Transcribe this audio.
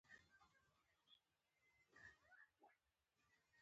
ګیلاس د آرام له لاسه څښل کېږي.